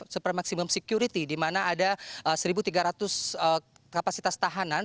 super maksimum security di mana ada satu tiga ratus kapasitas tahanan